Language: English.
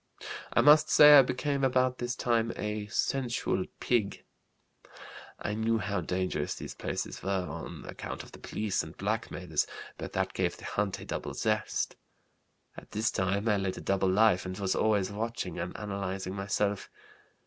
I must say I became about this time a sensual pig. I knew how dangerous these places were on account of the police and blackmailers, but that gave the hunt a double zest. At this time I led a double life and was always watching and analyzing myself.